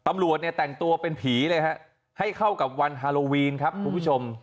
ตำรวจเนี่ยแต่งตัวเป็นผีเลยฮะให้เข้ากับวันฮาโลวีนครับคุณผู้ชม